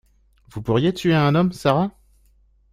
Vous pourriez tuer un homme, Sara?